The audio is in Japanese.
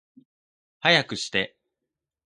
早くして